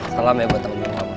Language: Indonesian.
salam ya buat temen temen kamu